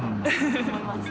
思います。